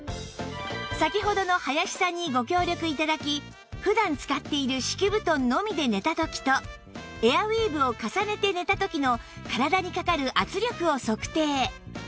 先ほどの林さんにご協力頂き普段使っている敷き布団のみで寝た時とエアウィーヴを重ねて寝た時の体にかかる圧力を測定